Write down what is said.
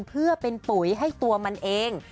เพื่อเป็นปุ๋ยให้ตัวมันเอง